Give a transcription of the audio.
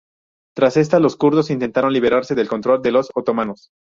Tras esta, los kurdos intentaron librarse del control de los otomanos.